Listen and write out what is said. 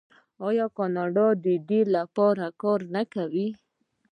آیا کاناډا د دې لپاره کار نه کوي؟